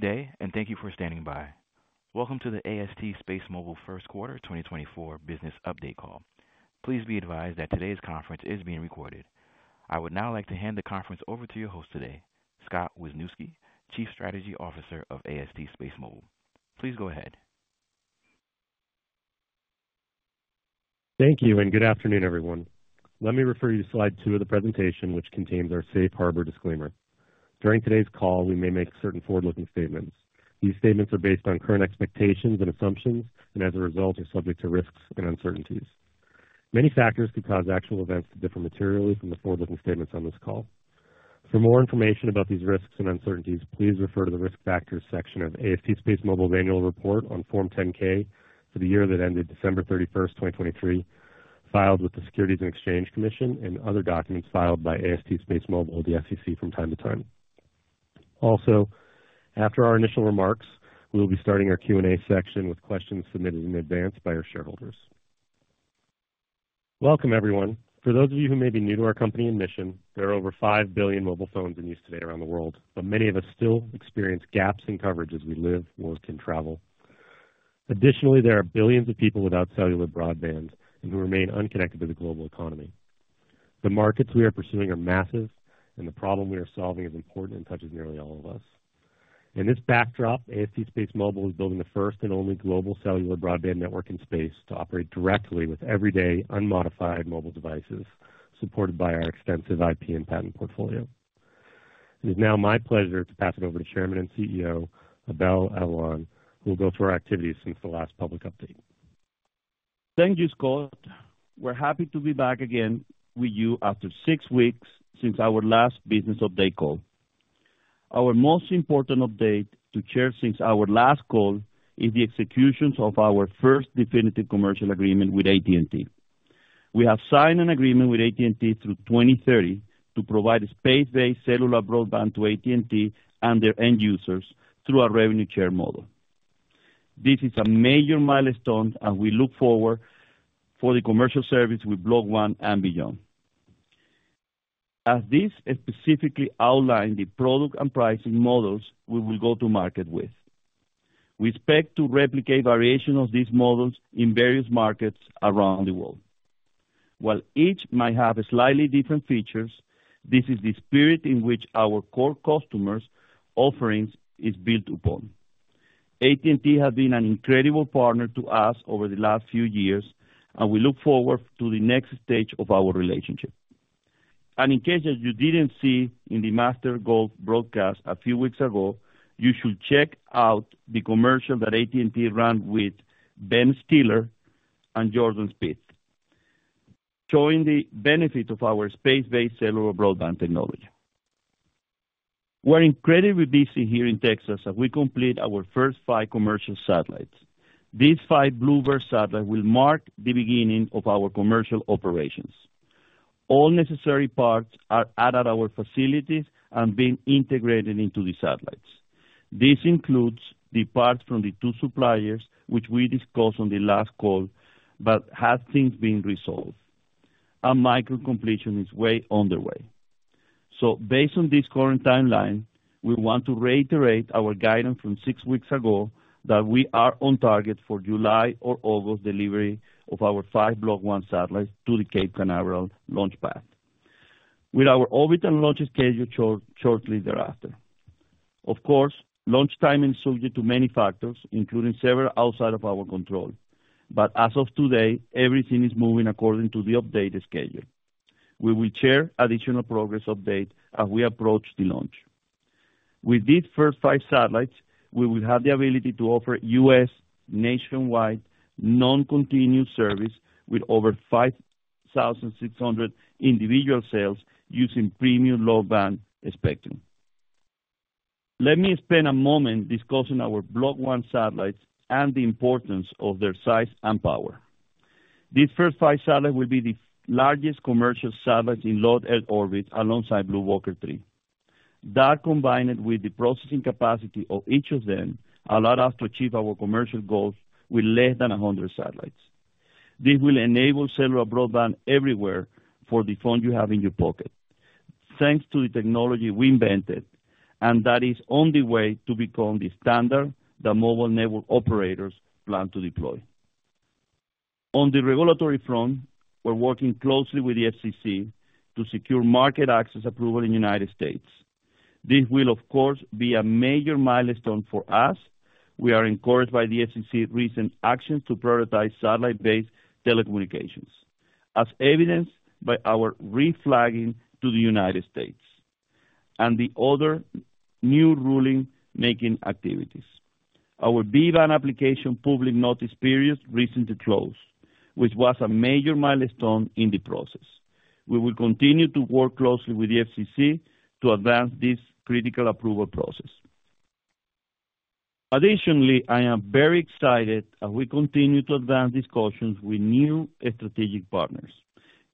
Good day, and thank you for standing by. Welcome to the AST SpaceMobile first quarter 2024 business update call. Please be advised that today's conference is being recorded. I would now like to hand the conference over to your host today, Scott Wisniewski, Chief Strategy Officer of AST SpaceMobile. Please go ahead. Thank you, and good afternoon, everyone. Let me refer you to slide 2 of the presentation, which contains our safe harbor disclaimer. During today's call, we may make certain forward-looking statements. These statements are based on current expectations and assumptions and as a result, are subject to risks and uncertainties. Many factors could cause actual events to differ materially from the forward-looking statements on this call. For more information about these risks and uncertainties, please refer to the Risk Factors section of AST SpaceMobile Annual Report on Form 10-K for the year that ended December 31, 2023, filed with the Securities and Exchange Commission, and other documents filed by AST SpaceMobile with the SEC from time to time. Also, after our initial remarks, we will be starting our Q&A section with questions submitted in advance by our shareholders. Welcome, everyone. For those of you who may be new to our company and mission, there are over 5 billion mobile phones in use today around the world, but many of us still experience gaps in coverage as we live, work, and travel. Additionally, there are billions of people without cellular broadband and who remain unconnected to the global economy. The markets we are pursuing are massive, and the problem we are solving is important and touches nearly all of us. In this backdrop, AST SpaceMobile is building the first and only global cellular broadband network in space to operate directly with everyday unmodified mobile devices, supported by our extensive IP and patent portfolio. It is now my pleasure to pass it over to Chairman and CEO, Abel Avellan, who will go through our activities since the last public update. Thank you, Scott. We're happy to be back again with you after six weeks since our last business update call. Our most important update to share since our last call is the executions of our first definitive commercial agreement with AT&T. We have signed an agreement with AT&T through 2030 to provide space-based cellular broadband to AT&T and their end users through a revenue share model. This is a major milestone, and we look forward for the commercial service with Block 1 and beyond. As this specifically outlined, the product and pricing models we will go to market with. We expect to replicate variations of these models in various markets around the world. While each might have slightly different features, this is the spirit in which our core customers offerings is built upon. AT&T has been an incredible partner to us over the last few years, and we look forward to the next stage of our relationship. In case you didn't see in the Masters Golf broadcast a few weeks ago, you should check out the commercial that AT&T ran with Ben Stiller and Jordan Spieth, showing the benefit of our space-based cellular broadband technology. We're incredibly busy here in Texas as we complete our first five commercial satellites. These five BlueBird satellites will mark the beginning of our commercial operations. All necessary parts are at our facilities and being integrated into the satellites. This includes the parts from the two suppliers, which we discussed on the last call, but have since been resolved. A mechanical completion is well underway. Based on this current timeline, we want to reiterate our guidance from six weeks ago that we are on target for July or August delivery of our five Block 1 satellites to the Cape Canaveral launch pad, with our orbit and launch schedule shortly thereafter. Of course, launch timing is subject to many factors, including several outside of our control. But as of today, everything is moving according to the updated schedule. We will share additional progress update as we approach the launch. With these first five satellites, we will have the ability to offer U.S. nationwide non-continuous service with over 5,600 individual cells using premium low-band spectrum. Let me spend a moment discussing our Block 1 satellites and the importance of their size and power. These first five satellites will be the largest commercial satellites in low Earth orbit alongside BlueWalker 3. That, combined with the processing capacity of each of them, allow us to achieve our commercial goals with less than 100 satellites. This will enable cellular broadband everywhere for the phone you have in your pocket. Thanks to the technology we invented, and that is on the way to become the standard that mobile network operators plan to deploy. On the regulatory front, we're working closely with the FCC to secure market access approval in the United States. This will, of course, be a major milestone for us. We are encouraged by the FCC's recent actions to prioritize satellite-based telecommunications, as evidenced by our re-filing to the United States and the other new rule-making activities. Our V-band application public notice period recently closed, which was a major milestone in the process. We will continue to work closely with the FCC to advance this critical approval process. Additionally, I am very excited as we continue to advance discussions with new strategic partners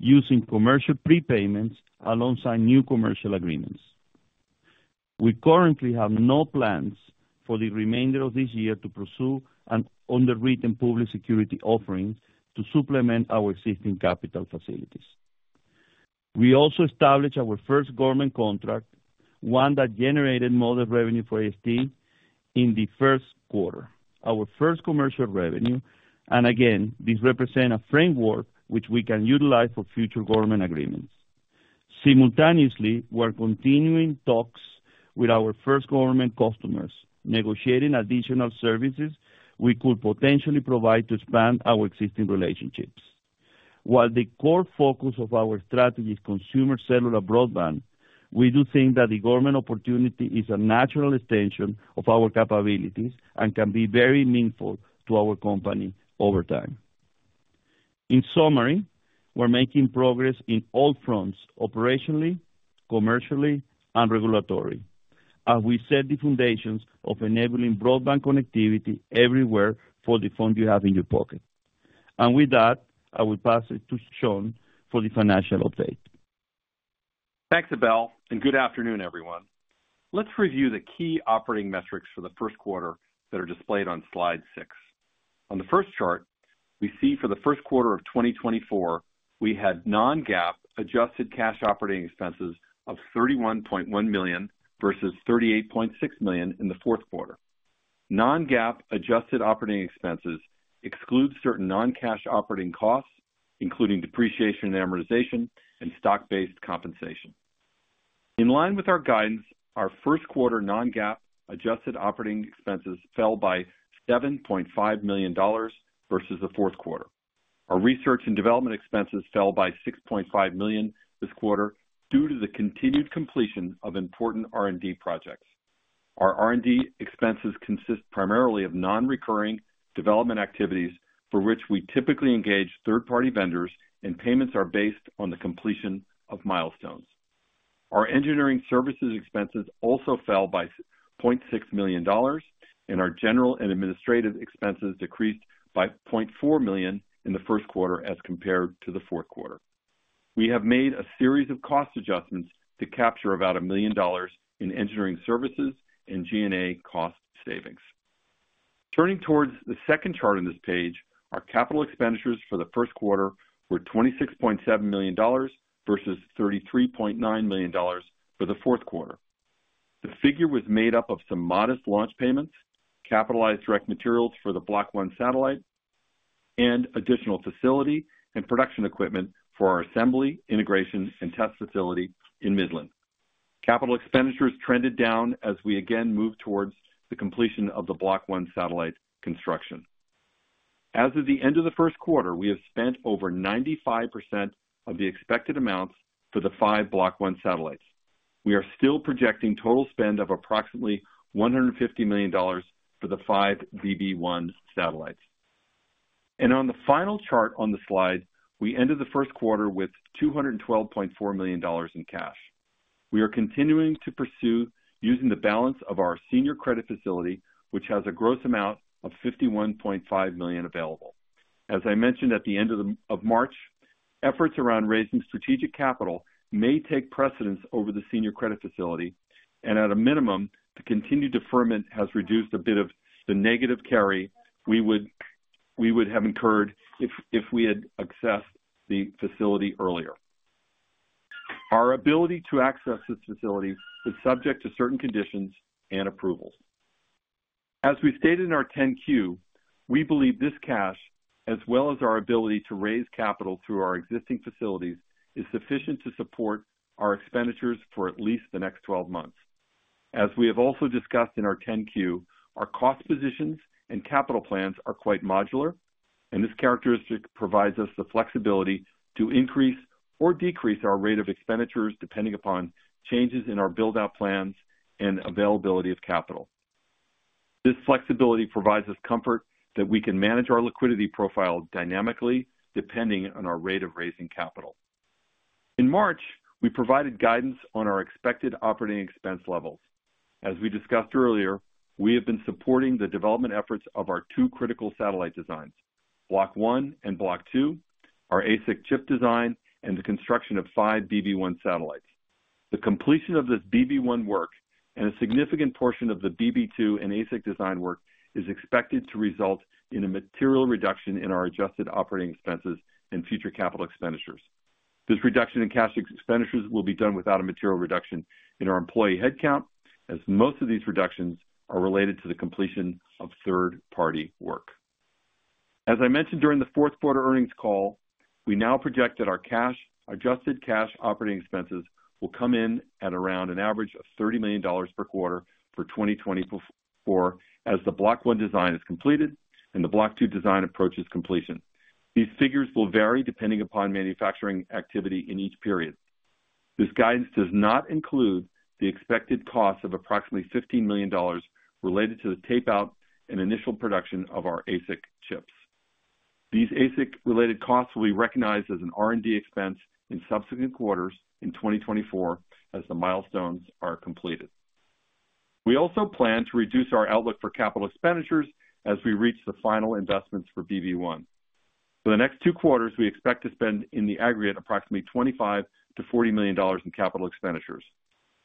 using commercial prepayments alongside new commercial agreements. We currently have no plans for the remainder of this year to pursue an underwritten public security offering to supplement our existing capital facilities. We also established our first government contract, one that generated modest revenue for AST in the first quarter, our first commercial revenue, and again, this represent a framework which we can utilize for future government agreements. Simultaneously, we're continuing talks with our first government customers, negotiating additional services we could potentially provide to expand our existing relationships. While the core focus of our strategy is consumer cellular broadband, we do think that the government opportunity is a natural extension of our capabilities and can be very meaningful to our company over time. In summary, we're making progress on all fronts, operationally, commercially, and regulatory, as we set the foundations of enabling broadband connectivity everywhere for the phone you have in your pocket. With that, I will pass it to Sean for the financial update. Thanks, Abel, and good afternoon, everyone. Let's review the key operating metrics for the first quarter that are displayed on slide six. On the first chart, we see for the first quarter of 2024, we had non-GAAP adjusted cash operating expenses of $31.1 million versus $38.6 million in the fourth quarter. Non-GAAP adjusted operating expenses exclude certain non-cash operating costs, including depreciation and amortization and stock-based compensation. In line with our guidance, our first quarter non-GAAP adjusted operating expenses fell by $7.5 million versus the fourth quarter. Our research and development expenses fell by $6.5 million this quarter due to the continued completion of important R&D projects. Our R&D expenses consist primarily of non-recurring development activities for which we typically engage third-party vendors, and payments are based on the completion of milestones. Our engineering services expenses also fell by $0.6 million, and our general and administrative expenses decreased by $0.4 million in the first quarter as compared to the fourth quarter. We have made a series of cost adjustments to capture about $1 million in engineering services and G&A cost savings. Turning towards the second chart on this page, our capital expenditures for the first quarter were $26.7 million versus $33.9 million for the fourth quarter. The figure was made up of some modest launch payments, capitalized direct materials for the Block 1 satellite, and additional facility and production equipment for our assembly, integration, and test facility in Midland. Capital expenditures trended down as we again moved towards the completion of the Block 1 satellite construction. As of the end of the first quarter, we have spent over 95% of the expected amounts for the five Block 1 satellites. We are still projecting total spend of approximately $150 million for the five BB1 satellites. On the final chart on the slide, we ended the first quarter with $212.4 million in cash. We are continuing to pursue using the balance of our senior credit facility, which has a gross amount of $51.5 million available. As I mentioned at the end of March, efforts around raising strategic capital may take precedence over the senior credit facility, and at a minimum, the continued deferment has reduced a bit of the negative carry we would have incurred if we had accessed the facility earlier. Our ability to access this facility is subject to certain conditions and approvals. As we stated in our 10-Q, we believe this cash, as well as our ability to raise capital through our existing facilities, is sufficient to support our expenditures for at least the next 12 months. As we have also discussed in our 10-Q, our cost positions and capital plans are quite modular, and this characteristic provides us the flexibility to increase or decrease our rate of expenditures, depending upon changes in our build-out plans and availability of capital. This flexibility provides us comfort that we can manage our liquidity profile dynamically, depending on our rate of raising capital. In March, we provided guidance on our expected operating expense levels. As we discussed earlier, we have been supporting the development efforts of our two critical satellite designs, Block 1 and Block 2, our ASIC chip design, and the construction of 5 BB1 satellites. The completion of this BB1 work and a significant portion of the BB2 and ASIC design work is expected to result in a material reduction in our adjusted operating expenses and future capital expenditures. This reduction in cash expenditures will be done without a material reduction in our employee headcount, as most of these reductions are related to the completion of third-party work. As I mentioned during the fourth quarter earnings call, we now project that our adjusted cash operating expenses will come in at around an average of $30 million per quarter for 2024, as the Block 1 design is completed and the Block 2 design approaches completion. These figures will vary depending upon manufacturing activity in each period. This guidance does not include the expected cost of approximately $15 million related to the tape-out and initial production of our ASIC chips. These ASIC-related costs will be recognized as an R&D expense in subsequent quarters in 2024 as the milestones are completed. We also plan to reduce our outlook for capital expenditures as we reach the final investments for BB1. For the next two quarters, we expect to spend, in the aggregate, approximately $25 million-$40 million in capital expenditures.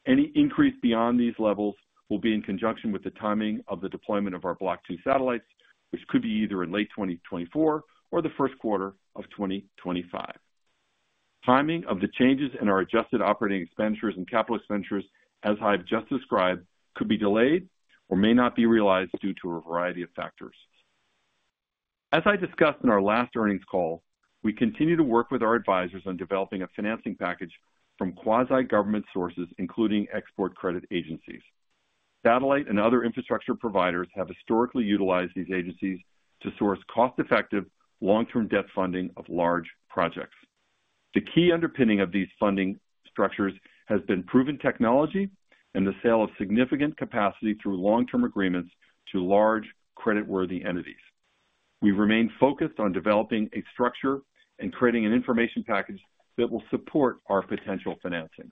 Any increase beyond these levels will be in conjunction with the timing of the deployment of our Block 2 satellites, which could be either in late 2024 or the first quarter of 2025. Timing of the changes in our adjusted operating expenditures and capital expenditures, as I've just described, could be delayed or may not be realized due to a variety of factors. As I discussed in our last earnings call, we continue to work with our advisors on developing a financing package from quasi-government sources, including export credit agencies. Satellite and other infrastructure providers have historically utilized these agencies to source cost-effective, long-term debt funding of large projects. The key underpinning of these funding structures has been proven technology and the sale of significant capacity through long-term agreements to large, creditworthy entities. We remain focused on developing a structure and creating an information package that will support our potential financings.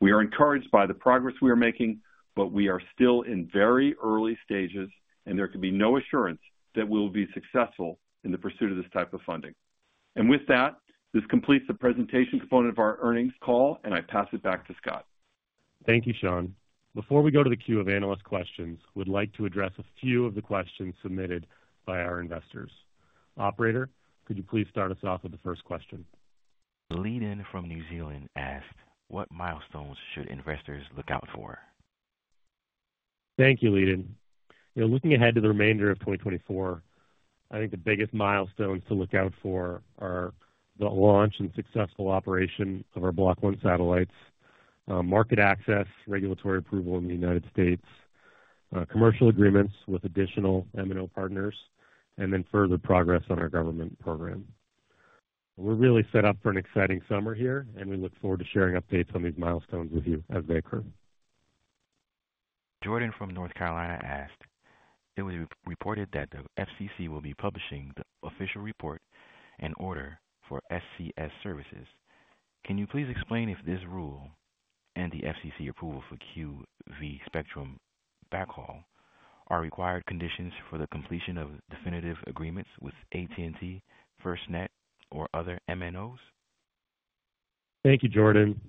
We are encouraged by the progress we are making, but we are still in very early stages, and there can be no assurance that we will be successful in the pursuit of this type of funding. With that, this completes the presentation component of our earnings call, and I pass it back to Scott. Thank you, Sean. Before we go to the queue of analyst questions, we'd like to address a few of the questions submitted by our investors. Operator, could you please start us off with the first question? Linden from New Zealand asked: What milestones should investors look out for? Thank you, Linden. You know, looking ahead to the remainder of 2024, I think the biggest milestones to look out for are the launch and successful operation of our Block 1 satellites, market access, regulatory approval in the United States, commercial agreements with additional MNO partners, and then further progress on our government program. We're really set up for an exciting summer here, and we look forward to sharing updates on these milestones with you as they occur. Jordan from North Carolina asked: It was reported that the FCC will be publishing the official report and order for SCS services. Can you please explain if this rule and the FCC approval for V-band spectrum backhaul are required conditions for the completion of definitive agreements with AT&T, FirstNet, or other MNOs? Thank you, Jordan.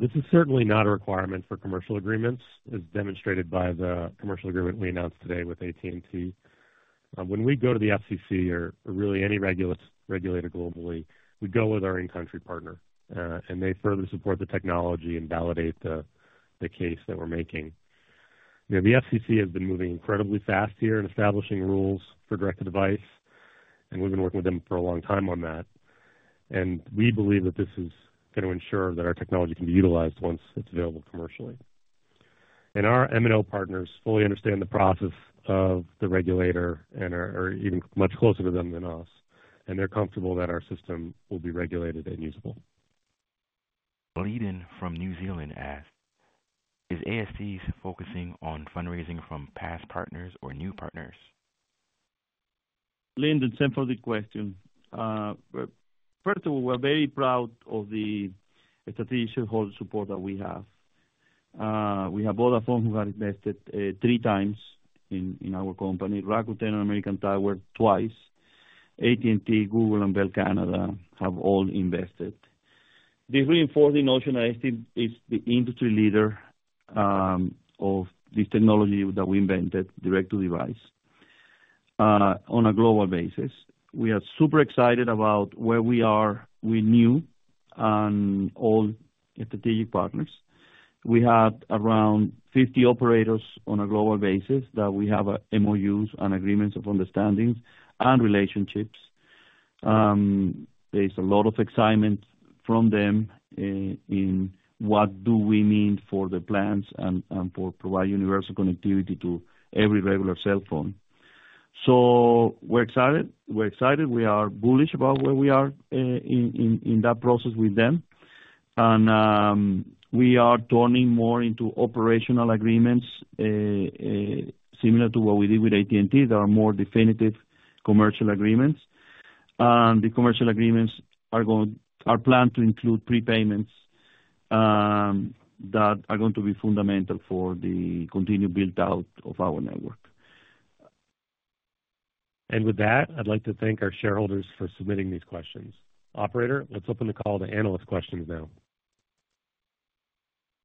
This is certainly not a requirement for commercial agreements, as demonstrated by the commercial agreement we announced today with AT&T. When we go to the FCC or, really, any regulator globally, we go with our in-country partner, and they further support the technology and validate the case that we're making. You know, the FCC has been moving incredibly fast here in establishing rules for direct-to-device, and we've been working with them for a long time on that. We believe that this is going to ensure that our technology can be utilized once it's available commercially. Our MNO partners fully understand the process of the regulator and are even much closer to them than us, and they're comfortable that our system will be regulated and usable. Linden from New Zealand asked: Is AST focusing on fundraising from past partners or new partners? Linden, thanks for the question. First of all, we're very proud of the strategic shareholder support that we have. We have Vodafone who have invested 3 times in our company, Rakuten and American Tower 2 times. AT&T, Google and Bell Canada have all invested. This reinforces the notion that AST is the industry leader of this technology that we invented, direct-to-device on a global basis. We are super excited about where we are with new and all strategic partners. We have around 50 operators on a global basis that we have MOUs and agreements of understandings and relationships. There's a lot of excitement from them in what do we need for the plans and for provide universal connectivity to every regular cell phone. So we're excited, we're excited, we are bullish about where we are in that process with them. And we are turning more into operational agreements similar to what we did with AT&T. There are more definitive commercial agreements, and the commercial agreements are planned to include prepayments that are going to be fundamental for the continued build-out of our network. With that, I'd like to thank our shareholders for submitting these questions. Operator, let's open the call to analyst questions now.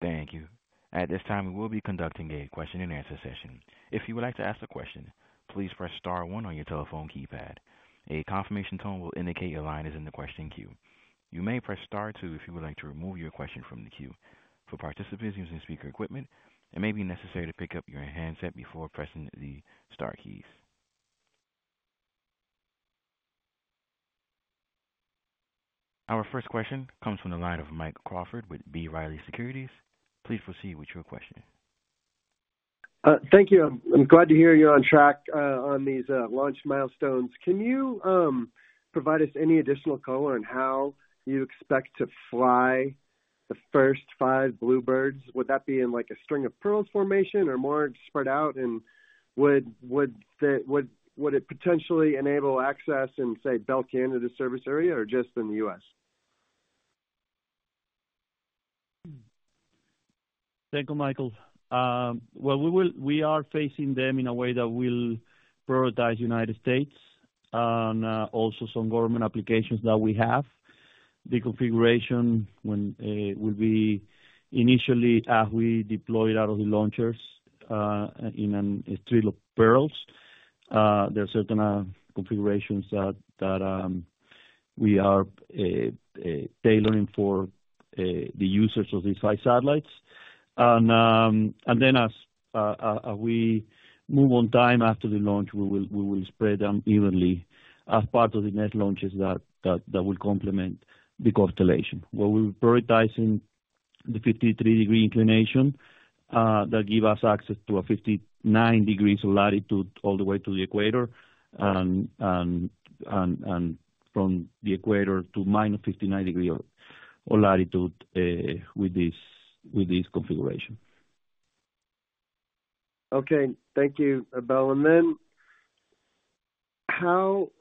Thank you. At this time, we will be conducting a question-and-answer session. If you would like to ask a question, please press star one on your telephone keypad. A confirmation tone will indicate your line is in the question queue. You may press star two if you would like to remove your question from the queue. For participants using speaker equipment, it may be necessary to pick up your handset before pressing the star keys. Our first question comes from the line of Mike Crawford with B. Riley Securities. Please proceed with your question. Thank you. I'm glad to hear you're on track on these launch milestones. Can you provide us any additional color on how you expect to fly the first five BlueBirds? Would that be in, like, a String of Pearls formation or more spread out, and would it potentially enable access in, say, Bell Canada service area or just in the U.S.? Thank you, Michael. Well, we are facing them in a way that will prioritize United States. Also some government applications that we have. The configuration will be initially as we deploy it out of the launchers in a string of pearls. There are certain configurations that we are tailoring for the users of these five satellites. And then as we move over time after the launch, we will spread them evenly as part of the next launches that will complement the constellation. Where we're prioritizing the 53 degrees inclination that give us access to 59 degrees of latitude all the way to the equator, and from the equator to -59 degrees of latitude with this configuration. Okay. Thank you, Abel. And then how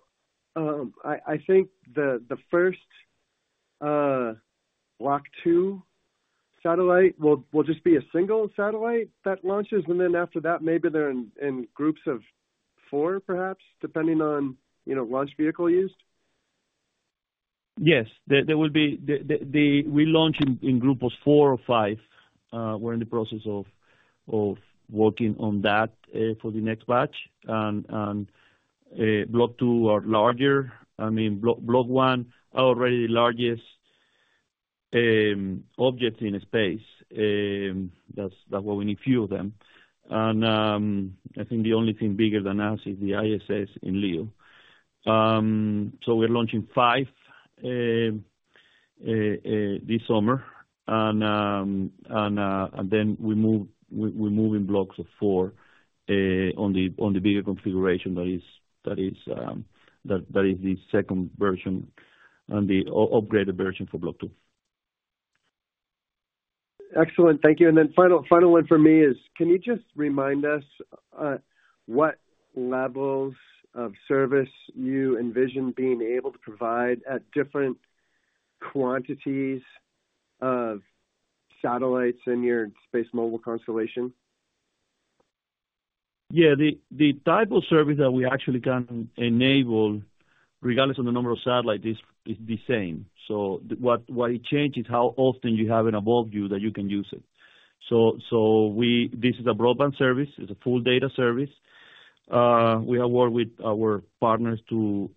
I think the first Block 2 satellite will just be a single satellite that launches, and then after that, maybe they're in groups of four, perhaps, depending on, you know, launch vehicle used? Yes. There will be the—we launch in groups of four or five. We're in the process of working on that for the next batch. And Block 2 are larger. I mean, Block 1 are already the largest objects in space. That's why we need few of them. And I think the only thing bigger than us is the ISS in LEO. So we're launching five this summer, and then we move in blocks of four on the bigger configuration that is the second version and the upgraded version for Block 2. Excellent. Thank you. Then final, final one for me is, can you just remind us, what levels of service you envision being able to provide at different quantities of satellites in your SpaceMobile constellation? Yeah. The type of service that we actually can enable, regardless of the number of satellites, is the same. So what it changes how often you have it above you, that you can use it. So this is a broadband service, it's a full data service. We have worked with our partners to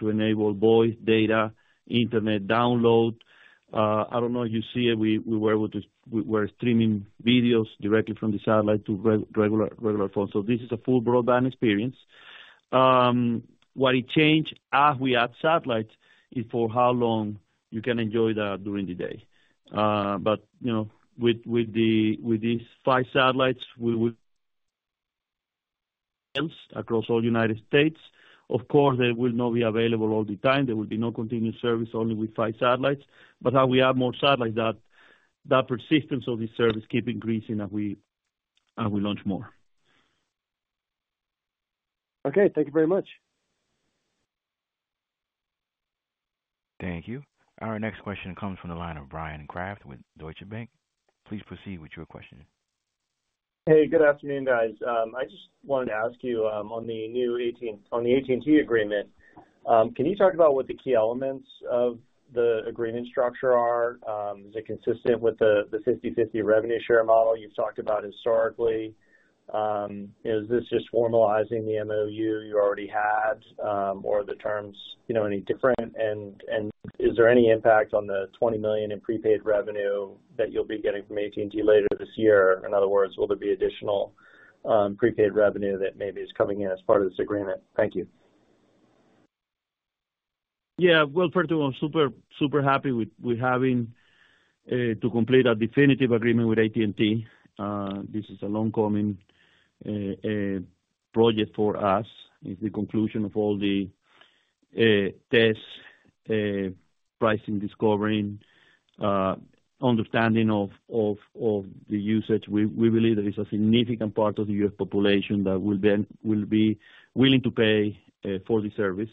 enable voice, data, internet download. I don't know if you see it, we were able to, we were streaming videos directly from the satellite to regular phones. So this is a full broadband experience. What it changed as we add satellites is for how long you can enjoy that during the day. But, you know, with these five satellites, we will have service across all United States. Of course, they will not be available all the time. There will be no continuous service only with five satellites. But as we add more satellites, that persistence of this service keeps increasing as we launch more. Okay. Thank you very much. Thank you. Our next question comes from the line of Bryan Kraft with Deutsche Bank. Please proceed with your question. Hey, good afternoon, guys. I just wanted to ask you, on the new 18, on the AT&T agreement, can you talk about what the key elements of the agreement structure are? Is it consistent with the, the 50/50 revenue share model you've talked about historically? Is this just formalizing the MOU you already had, or are the terms, you know, any different? And, is there any impact on the $20 million in prepaid revenue that you'll be getting from AT&T later this year? In other words, will there be additional, prepaid revenue that maybe is coming in as part of this agreement? Thank you. Yeah. Well, first of all, I'm super, super happy with having to complete a definitive agreement with AT&T. This is a long-coming project for us. It's the conclusion of all the tests, pricing, discovery, understanding of the usage. We believe there is a significant part of the U.S. population that will be willing to pay for the service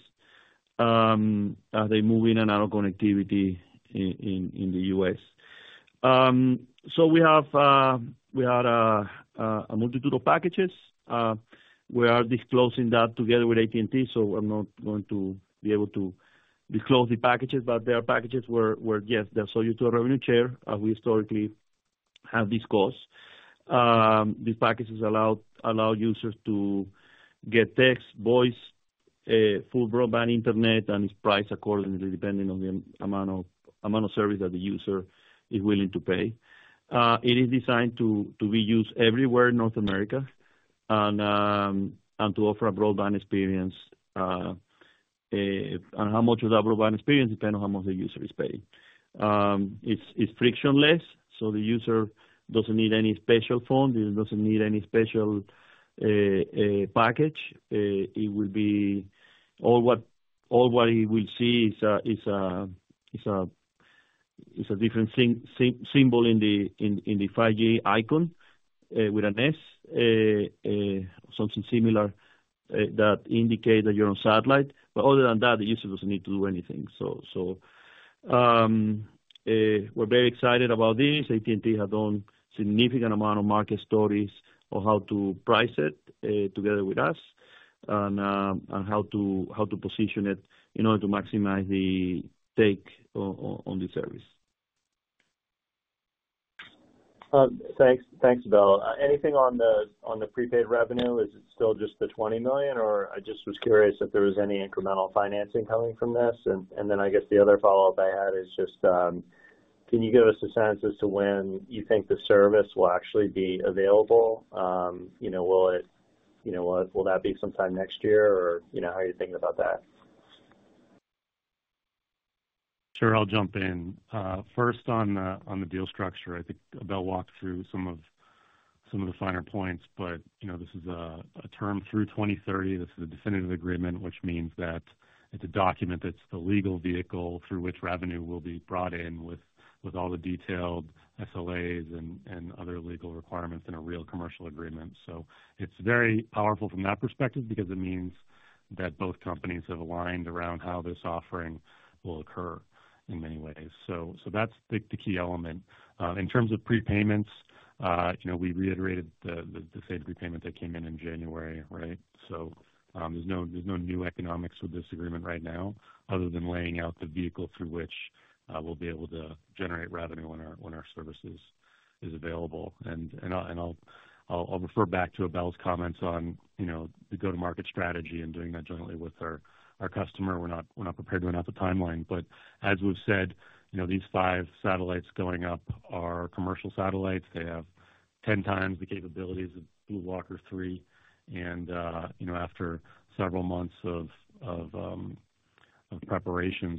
as they move in and out of connectivity in the U.S. So we have a multitude of packages. We are disclosing that together with AT&T, so I'm not going to be able to disclose the packages. But there are packages where, yes, they're sold to a revenue share we historically have discussed. These packages allow users to get text, voice, full broadband internet, and it's priced accordingly, depending on the amount of service that the user is willing to pay. It is designed to be used everywhere in North America and to offer a broadband experience, and how much of that broadband experience depend on how much the user is paying. It's frictionless, so the user doesn't need any special phone, he doesn't need any special package. It will be all what he will see is a different symbol in the 5G icon, with an S, something similar, that indicate that you're on satellite. But other than that, the user doesn't need to do anything. So,... We're very excited about this. AT&T have done significant amount of market studies on how to price it, together with us, and how to position it in order to maximize the take on the service. Thanks. Thanks, Abel. Anything on the prepaid revenue? Is it still just the $20 million, or I just was curious if there was any incremental financing coming from this? And then I guess the other follow-up I had is just, can you give us a sense as to when you think the service will actually be available? You know, will it, you know, will that be sometime next year, or, you know, how are you thinking about that? Sure. I'll jump in. First on the deal structure. I think Abel walked through some of the finer points, but, you know, this is a term through 2030. This is a definitive agreement, which means that it's a document that's the legal vehicle through which revenue will be brought in with all the detailed SLAs and other legal requirements in a real commercial agreement. So it's very powerful from that perspective, because it means that both companies have aligned around how this offering will occur in many ways. So that's the key element. In terms of prepayments, you know, we reiterated the same prepayment that came in in January, right? So, there's no new economics with this agreement right now, other than laying out the vehicle through which we'll be able to generate revenue when our services is available. And I'll refer back to Abel's comments on, you know, the go-to-market strategy and doing that jointly with our customer. We're not prepared to announce a timeline. But as we've said, you know, these five satellites going up are commercial satellites. They have 10 times the capabilities of BlueWalker 3, and, you know, after several months of preparations,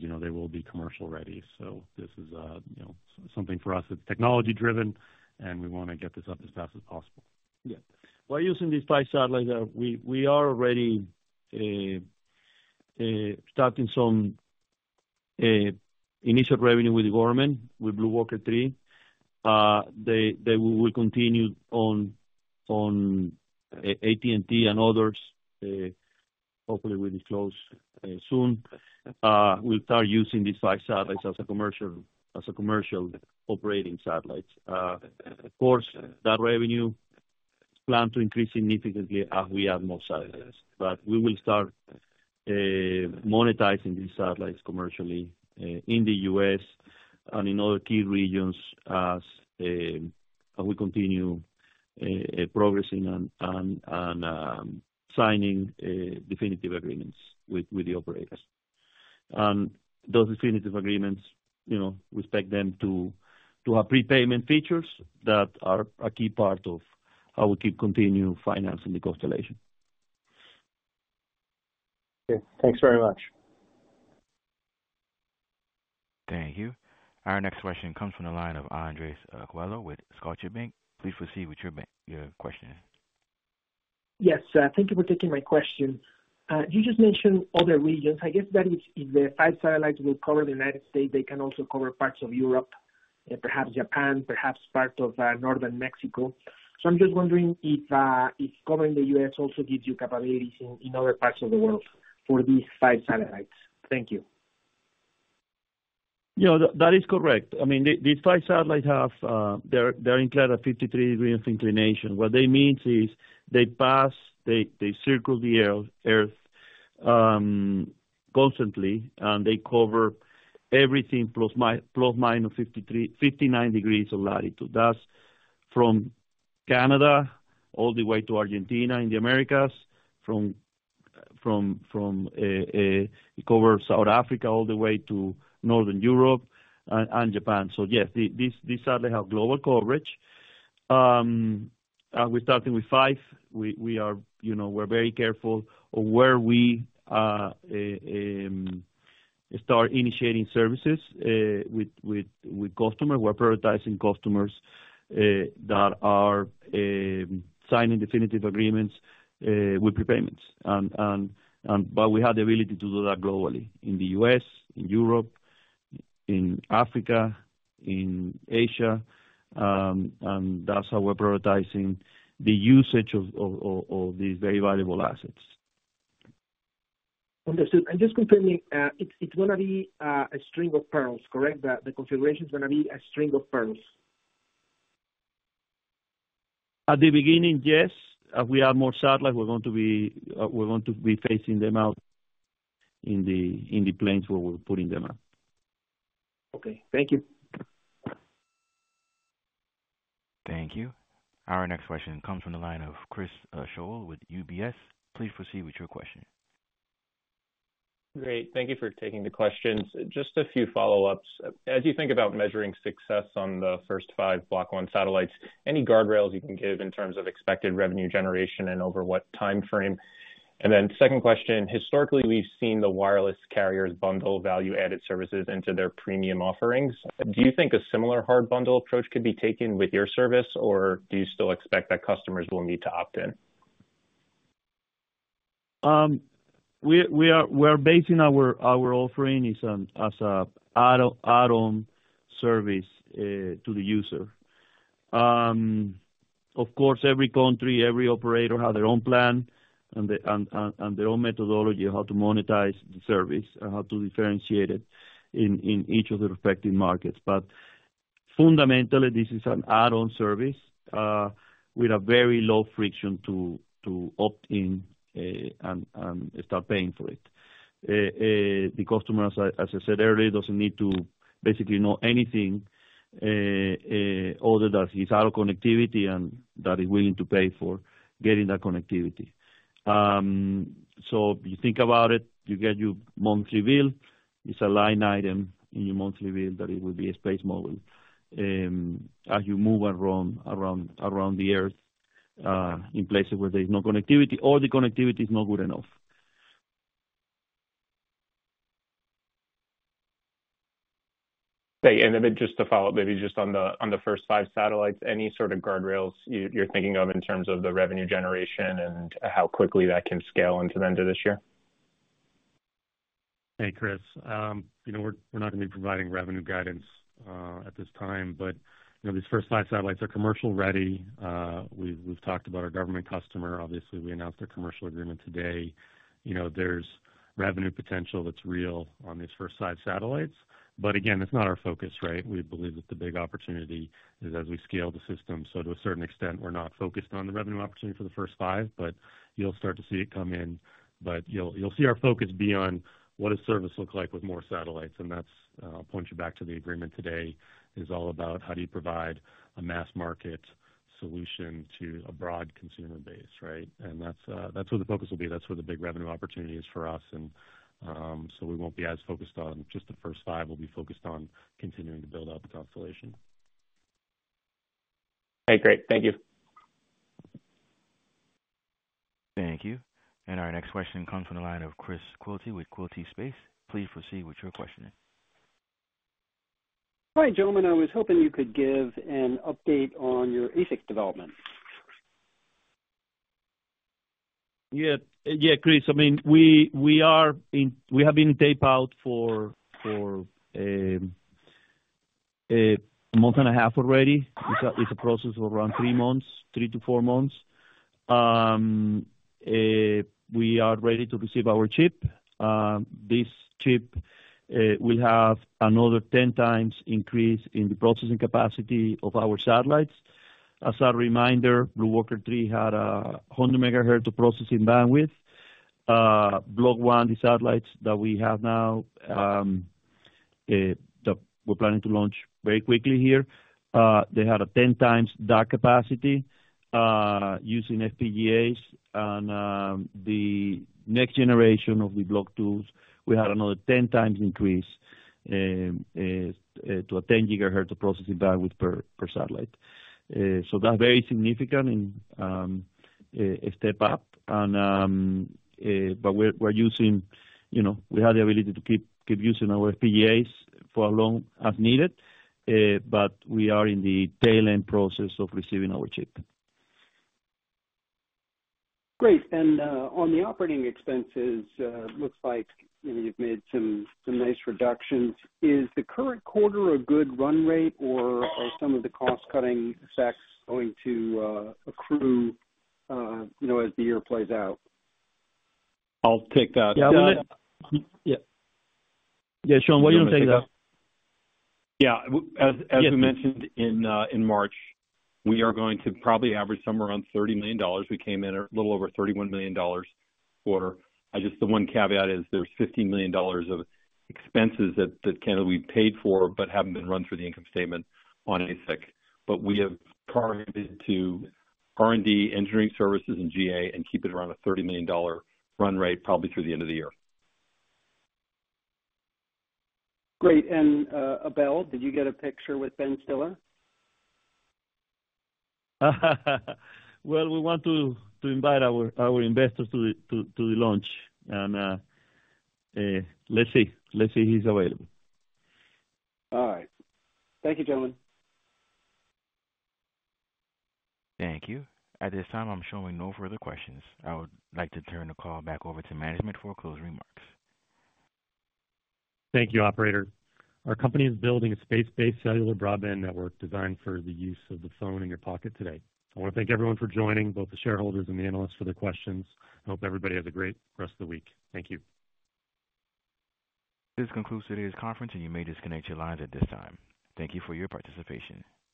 you know, they will be commercial ready. So this is, you know, something for us that's technology driven, and we want to get this up as fast as possible. Yeah. While using these five satellites, we are already starting some initial revenue with the government, with BlueWalker 3. They will continue on AT&T and others, hopefully will be closed soon. We'll start using these five satellites as commercial operating satellites. Of course, that revenue is planned to increase significantly as we add more satellites. But we will start monetizing these satellites commercially in the U.S. and in other key regions as we continue progressing and signing definitive agreements with the operators. And those definitive agreements, you know, we expect them to have prepayment features that are a key part of how we keep continuing financing the constellation. Okay, thanks very much. Thank you. Our next question comes from the line of Andres Coello with Scotiabank. Please proceed with your question. Yes, thank you for taking my question. You just mentioned other regions. I guess that is if the five satellites will cover the United States, they can also cover parts of Europe and perhaps Japan, perhaps parts of northern Mexico. So I'm just wondering if covering the US also gives you capabilities in other parts of the world for these five satellites? Thank you. Yeah, that is correct. I mean, these five satellites have 53 degrees of inclination. What that means is they pass, they circle the Earth constantly, and they cover everything ±59 degrees of latitude. That's from Canada all the way to Argentina and the Americas. It covers South Africa all the way to Northern Europe and Japan. So yes, these certainly have global coverage. We're starting with five. We are, you know, very careful on where we start initiating services with customers. We're prioritizing customers that are signing definitive agreements with prepayments. But we have the ability to do that globally, in the U.S., in Europe, in Africa, in Asia, and that's how we're prioritizing the usage of these very valuable assets. Understood. And just confirming, it's gonna be a String of Pearls, correct? The configuration is gonna be a String of Pearls. At the beginning, yes. As we add more satellite, we're going to be phasing them out in the planes where we're putting them up. Okay. Thank you. Thank you. Our next question comes from the line of Chris Schoell with UBS. Please proceed with your question. Great, thank you for taking the questions. Just a few follow-ups. As you think about measuring success on the first five Block 1 satellites, any guardrails you can give in terms of expected revenue generation and over what timeframe? And then second question: historically, we've seen the wireless carriers bundle value-added services into their premium offerings. Do you think a similar hard bundle approach could be taken with your service, or do you still expect that customers will need to opt in? We're basing our offering as an add-on service to the user. Of course, every country, every operator have their own plan and their own methodology of how to monetize the service and how to differentiate it in each of their respective markets. But fundamentally, this is an add-on service with a very low friction to opt in and start paying for it. The customers, as I said earlier, doesn't need to basically know anything other than he's out of connectivity and that he's willing to pay for getting that connectivity. So you think about it, you get your monthly bill. It's a line item in your monthly bill, that it will be a SpaceMobile, as you move around, around, around the earth, in places where there is no connectivity or the connectivity is not good enough. Hey, and then just to follow up, maybe just on the first five satellites, any sort of guardrails you're thinking of in terms of the revenue generation and how quickly that can scale into the end of this year? Hey, Chris. You know, we're, we're not going to be providing revenue guidance at this time, but, you know, these first five satellites are commercial ready. We've, we've talked about our government customer. Obviously, we announced their commercial agreement today. You know, there's revenue potential that's real on these first five satellites, but again, it's not our focus, right? We believe that the big opportunity is as we scale the system. So to a certain extent, we're not focused on the revenue opportunity for the first five, but you'll start to see it come in. But you'll, you'll see our focus be on what does service look like with more satellites? And that's, I'll point you back to the agreement today, is all about how do you provide a mass market solution to a broad consumer base, right? And that's, that's where the focus will be. That's where the big revenue opportunity is for us, and, so we won't be as focused on just the first five. We'll be focused on continuing to build out the constellation. Hey, great. Thank you. Thank you. Our next question comes from the line of Chris Quilty with Quilty Space. Please proceed with your question. Hi, gentlemen. I was hoping you could give an update on your ASIC development. Yeah. Yeah, Chris. I mean, we have been tape-out for a month and a half already. It's a process of around three months, 3months-4 months. We are ready to receive our chip. This chip will have another 10 times increase in the processing capacity of our satellites. As a reminder, BlueWalker 3 had 100 MHz of processing bandwidth. Block 1, the satellites that we have now, that we're planning to launch very quickly here, they had 10 times that capacity, using FPGAs. And, the next generation of the Block 2s, we had another 10 times increase, to 10 GHz of processing bandwidth per satellite. So that's very significant and, a step up and, but we're using. You know, we have the ability to keep using our FPGAs for as long as needed, but we are in the tail end process of receiving our chip. Great. And, on the operating expenses, looks like you've made some, some nice reductions. Is the current quarter a good run rate, or are some of the cost-cutting effects going to accrue, you know, as the year plays out? I'll take that. Yeah. Yeah, Sean, why don't you take that? Yeah. As we mentioned in March, we are going to probably average somewhere around $30 million. We came in at a little over $31 million quarter. The one caveat is there's $15 million of expenses that kind of we paid for, but haven't been run through the income statement on ASIC. But we have targeted to R&D, engineering services, and GA, and keep it around a $30 million run rate, probably through the end of the year. Great. And, Abel, did you get a picture with Ben Stiller? Well, we want to invite our investors to the launch, and, let's see. Let's see if he's available. All right. Thank you, gentlemen. Thank you. At this time, I'm showing no further questions. I would like to turn the call back over to management for closing remarks. Thank you, operator. Our company is building a space-based cellular broadband network designed for the use of the phone in your pocket today. I want to thank everyone for joining, both the shareholders and the analysts for their questions. I hope everybody has a great rest of the week. Thank you. This concludes today's conference, and you may disconnect your lines at this time. Thank you for your participation.